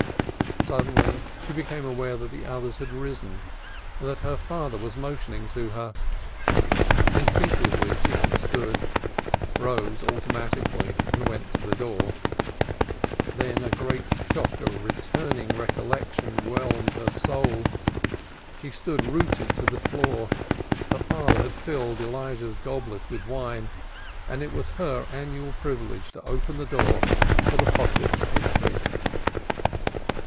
Suddenly she became aware that the others had risen and that her father was motioning to her. Instinctively she understood; rose automatically and went to the door; then a great shock of returning recollection whelmed her soul. She stood rooted to the floor. Her father had filled Elijah's goblet with wine and it was her annual privilege to open the door for the prophet's entry.